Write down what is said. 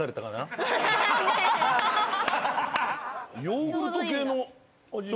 ヨーグルト系の味。